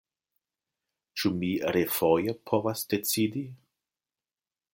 Ĉu mi refoje povas decidi?